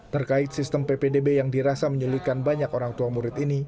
terkait sistem ppdb yang dirasa menyulitkan banyak orang tua murid ini